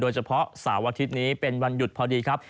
โดยเฉพาะสาวอาทิตย์นี้เป็นวันหยุดพอดีครับ